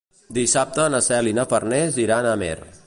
Dissabte na Cel i na Farners iran a Amer.